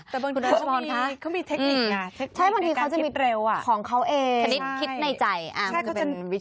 แต่บางทีเขามีเทคนิคในการคิดเร็วของเขาเองคิดในใจมันก็เป็นวิธี